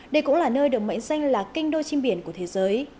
đây cũng là nơi được mệnh danh là kinh đô chim biển của thế giới